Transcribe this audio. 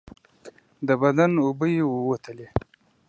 د بدن اوبه یې ووتلې.